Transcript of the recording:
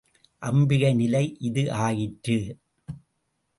அம்பிகை நிலை இது ஆயிற்று.